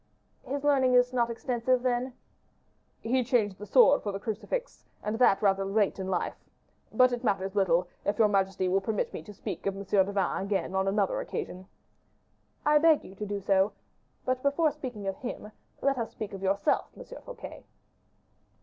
"His learning is not extensive, then?" "He changed the sword for the crucifix, and that rather late in life. But it matters little, if your majesty will permit me to speak of M. de Vannes again on another occasion " "I beg you to do so. But before speaking of him, let us speak of yourself, M. Fouquet."